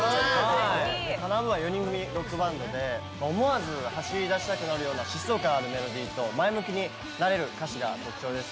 ＫＡＮＡ−ＢＯＯＮは４人組ロックバンドで思わず走り出したくなるような疾走感あるメロディーと前向きになれる歌詞が特徴です。